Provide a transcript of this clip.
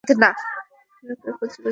আমি ওকে কুঁচি কুঁচি করে ফেলব।